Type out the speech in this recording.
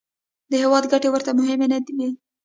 د هېواد ګټې ورته مهمې نه وې.